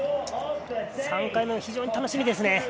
３回目は非常に楽しみですね。